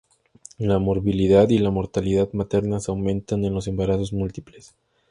La morbilidad y la mortalidad maternas aumentan en los embarazos múltiples.